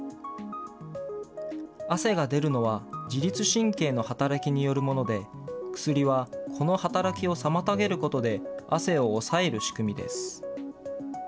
汗が出るのは自律神経の働きによるもので、薬はこの働きを妨げることで汗を抑える仕組みです。